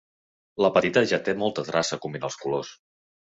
La petita ja té molta traça a combinar els colors.